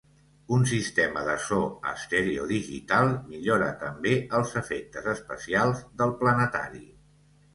Un sistema de so estèreo digital millora també els efectes especials del planetari.